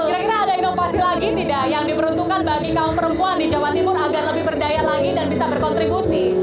kira kira ada inovasi lagi tidak yang diperuntukkan bagi kaum perempuan di jawa timur agar lebih berdaya lagi dan bisa berkontribusi